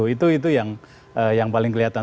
itu yang paling kelihatan